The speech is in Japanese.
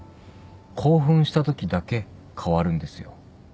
興奮したときだけ変わるんですよ。